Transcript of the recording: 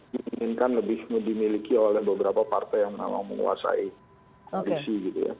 diinginkan lebih dimiliki oleh beberapa partai yang memang menguasai gitu ya